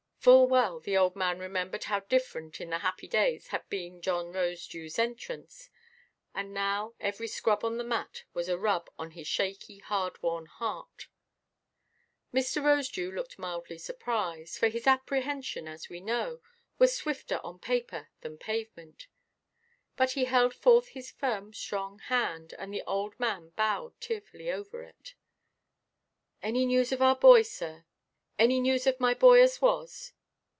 Full well the old man remembered how different, in the happy days, had been John Rosedewʼs entrance; and now every scrub on the mat was a rub on his shaky hard–worn heart. Mr. Rosedew looked mildly surprised, for his apprehension (as we know) was swifter on paper than pavement. But he held forth his firm strong hand, and the old man bowed tearfully over it. "Any news of our boy, sir? Any news of my boy as was?"